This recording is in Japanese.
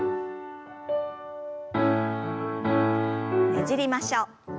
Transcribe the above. ねじりましょう。